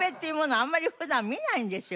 あんまり普段見ないんですよ。